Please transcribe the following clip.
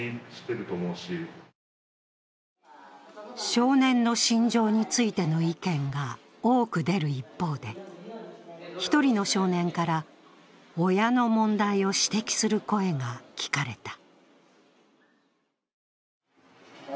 少年の心情についての意見が多く出る一方で１人の少年から、親の問題を指摘する声が聞かれた。